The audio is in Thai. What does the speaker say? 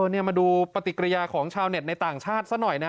เออมาดูปฏิกริยาของชาวเน็ตในต่างชาติเท่าน้อย